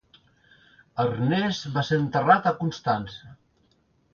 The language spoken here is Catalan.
Ernest va ser enterrat a Constança.